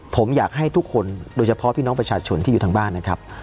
ผมอยากให้ทุกคนโดยเฉพาะพี่น้องประชาชนที่อยู่ทางบ้านนะครับ